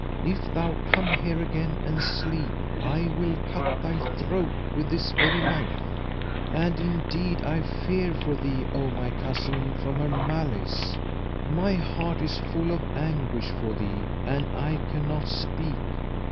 if thou come here again and sleep, I will cut thy throat with this very knife.' And indeed I fear for thee, O my cousin, from her malice; my heart is full of anguish for thee and I cannot speak.